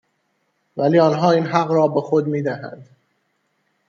ولی آنها این حق را به خود میدهند